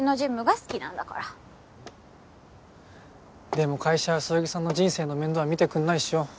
でも会社はそよぎさんの人生の面倒は見てくんないっしょ。